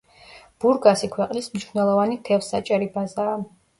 ბურგასი ქვეყნის მნიშვნელოვანი თევზსაჭერი ბაზაა.